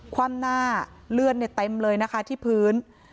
คว่ำหน้าเลือดเต็มเลยนะคะที่พื้น